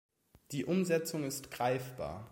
Die Umsetzung ist greifbar.